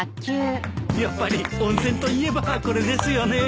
やっぱり温泉といえばこれですよね。